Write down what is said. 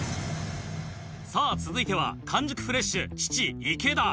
さぁ続いては完熟フレッシュ父池田。